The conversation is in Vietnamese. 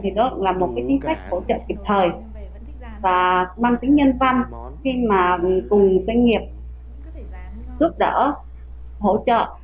thì đó là một chính sách hỗ trợ kịp thời và mang tính nhân văn khi mà cùng doanh nghiệp giúp đỡ hỗ trợ